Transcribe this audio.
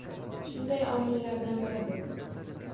Shunday omillardan biri bu